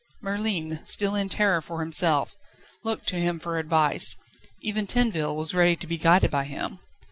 Merlin, still in terror for himself, looked to him for advice; even Tinville was ready to be guided by him.